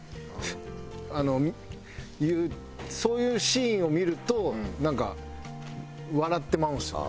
そういうシーンを見るとなんか笑ってまうんですよね。